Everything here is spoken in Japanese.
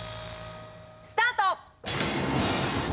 スタート！